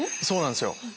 そうなんですよ。